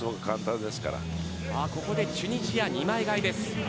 ここでチュニジア２枚替えです。